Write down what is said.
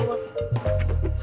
aku tidak tahu mas